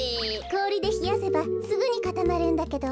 こおりでひやせばすぐにかたまるんだけど。